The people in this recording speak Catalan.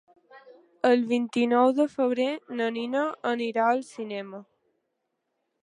El vint-i-nou de febrer na Nina anirà al cinema.